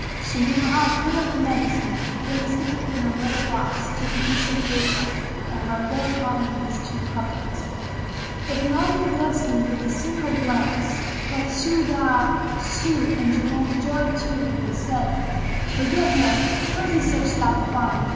So Ni'amah put up the medicine and, placing it in a little box, took a piece of paper and wrote thereon these two couplets,[FN#15] "If Naomi bless me with a single glance, * Let Su'adб sue and Juml joy to They said, "Forget her: twenty such thou'lt find."